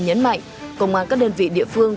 nhấn mạnh công an các đơn vị địa phương